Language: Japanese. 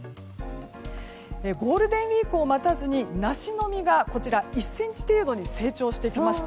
ゴールデンウィークを待たずに梨の実が１ｃｍ程度に成長してきました。